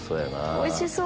おいしそう！